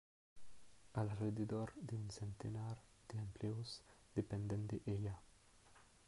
Alrededor de un centenar de empleos dependen de ella.